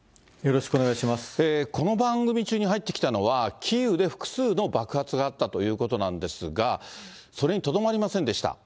この番組中に入ってきたのは、キーウで複数の爆発があったということなんですが、それにとどまりませんでした。